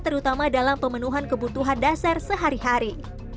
terutama dalam pemenuhan kebutuhan dasar sehari hari